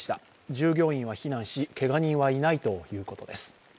従業員は避難しけが人はいないということです。